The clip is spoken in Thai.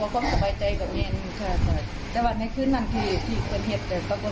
ก็สบายใจสำหรับหนึ่งคือเรียกว่าความสบายใจกับเอง